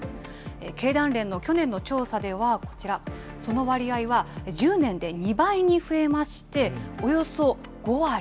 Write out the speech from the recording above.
経団連の去年の調査では、こちら、その割合は１０年で２倍に増えまして、およそ５割。